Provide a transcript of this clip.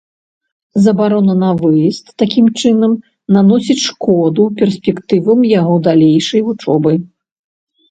Забарона на выезд, такім чынам, наносіць шкоду перспектывам яго далейшай вучобы.